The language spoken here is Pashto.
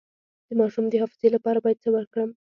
د ماشوم د حافظې لپاره باید څه ورکړم؟